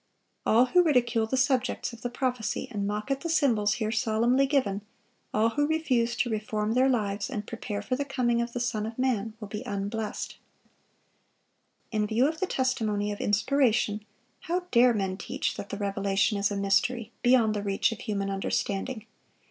All who ridicule the subjects of the prophecy, and mock at the symbols here solemnly given, all who refuse to reform their lives, and prepare for the coming of the Son of man, will be unblessed. In view of the testimony of Inspiration, how dare men teach that the Revelation is a mystery, beyond the reach of human understanding?